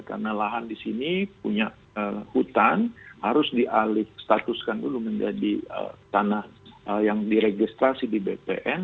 karena lahan di sini punya hutan harus dialih statuskan dulu menjadi tanah yang diregistrasi di bpn